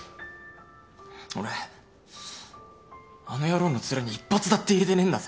俺あの野郎のツラに一発だって入れてねえんだぜ。